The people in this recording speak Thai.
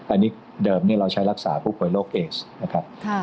อันนี้เดิมเราใช้รักษาผู้ป่วยโรคเอสนะครับ